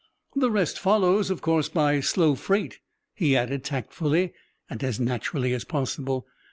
"The rest follows, of course, by slow freight," he added tactfully, and as naturally as possible.